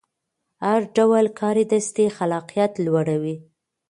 هر ډول کاردستي خلاقیت لوړوي.